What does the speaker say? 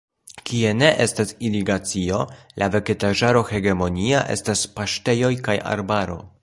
Kie ne estas irigacio, la vegetaĵaro hegemonia estas paŝtejoj kaj arbaro.